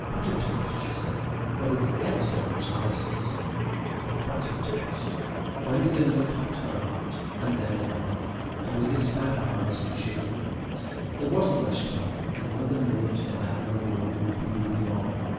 "Buttered toast," she said. "Well, it's ever so much nicer," said the monkey, "than buttered toast." Gwendolen looked at her aunt and then at the monkey, with his sad eyes and shaking limbs. There wasn't much time. In another minute the man and the woman would be moving on.